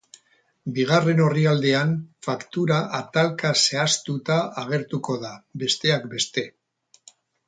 Bigarren orrialdean, faktura atalka zehaztuta agertuko da, besteak beste.